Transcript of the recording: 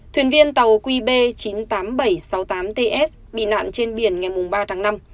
thuyền viên tàu qb chín mươi tám nghìn bảy trăm sáu mươi tám ts bị nạn trên biển ngày ba tháng năm